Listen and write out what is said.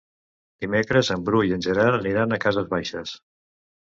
Dimecres en Bru i en Gerard aniran a Cases Baixes.